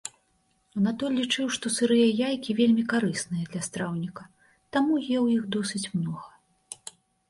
Анатоль лічыў, што сырыя яйкі вельмі карысныя для страўніка, таму еў іх досыць многа.